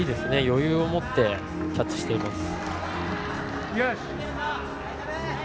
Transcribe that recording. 余裕を持ってキャッチしています。